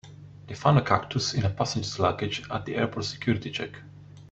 They found a cactus in a passenger's luggage at the airport's security check.